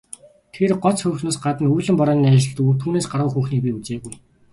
Тэрээр гоц хөөрхнөөс гадна үүлэн борооны ажилд түүнээс гаргуу хүүхнийг би үзээгүй.